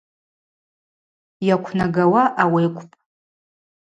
Йаквнагауа ауи акӏвпӏ.